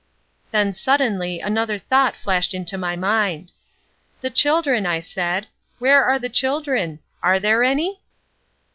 Then, suddenly, another thought flashed into my mind— "The children," I said, "where are the children? Are there any?"